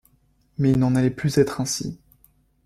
Mais il n’en allait plus être ainsi.